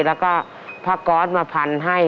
แล้วก็ผ้าก๊อตมาพันให้